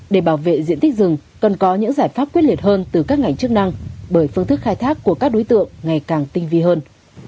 để bảo vệ diện tích rừng cần có những giải pháp quyết liệt hơn từ các ngành chức năng bởi phương thức khai thác của các đối tượng ngày càng tinh vi hơn